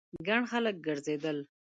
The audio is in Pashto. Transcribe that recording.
ګڼ خلک ګرځېدل.